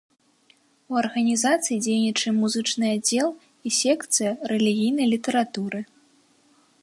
У арганізацыі дзейнічае музычны аддзел і секцыя рэлігійнай літаратуры.